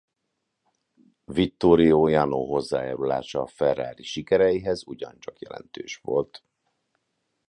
Vittorio Jano hozzájárulása a Ferrari sikereihez ugyancsak jelentős volt.